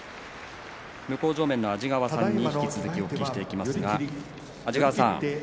向正面の安治川さんに引き続きお聞きしていきます。